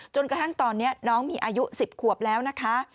จนกระทั่งตอนนี้น้องมีอายุ๑๐ขวบแล้วนะคะ